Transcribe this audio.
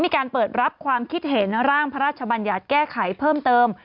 มีการเปิดรับความคิดเห็นร่างพระราชบัญญัติแก้ไขเพิ่มเติม